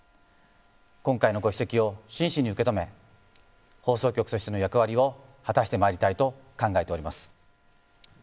今回のご指摘を真摯に受け止め放送局としての役割を果たしてまいりたいと考えております。